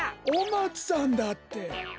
お松さんだって！